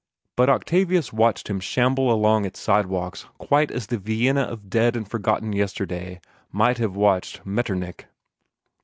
But Octavius watched him shamble along its sidewalks quite as the Vienna of dead and forgotten yesterday might have watched Metternich.